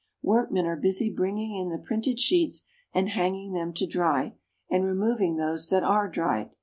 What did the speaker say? Workmen are busy bringing in the printed sheets, and hanging them to dry, and removing those that are dried.